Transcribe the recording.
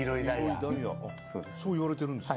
そう言われてるんですか。